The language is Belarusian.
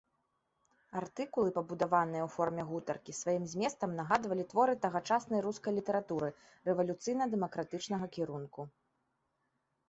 Артыкулы пабудаваны ў форме гутаркі, сваім зместам нагадвалі творы тагачаснай рускай літаратуры рэвалюцыйна-дэмакратычнага кірунку.